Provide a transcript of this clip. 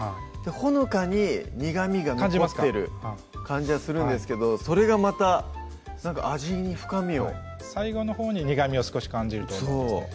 ほのかに苦みが残ってる感じはするんですけどそれがまた味に深みを最後のほうに苦みを少し感じると思いますね